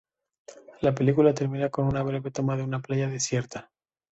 La película termina con una breve toma de una playa desierta.